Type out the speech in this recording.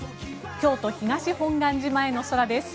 京都・東本願寺前の空です。